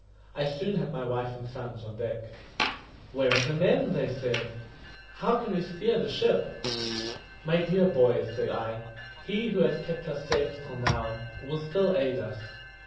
I soon had my wife and sons on deck. "Where are the men?" said they. "How can we steer the ship?" "My dear boys," said I, "He who has kept us safe till now will still aid us.